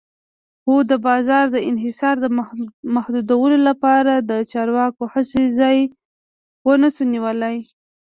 خو د بازار د انحصار د محدودولو لپاره د چارواکو هڅې ځای ونشو نیولی.